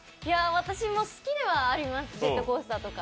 私も好きではあります、ジェットコースターとか。